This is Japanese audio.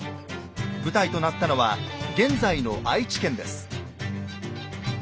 舞台となったのは現在の愛知県です。